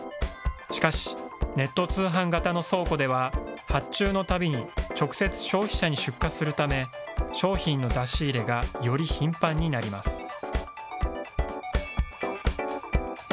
しかし、ネット通販型の倉庫では、発注のたびに直接消費者に出荷するため、商品の出し入れがより頻繁になります。